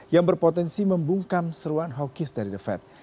yang berpotensi membungkam seruan hawkis dari the fed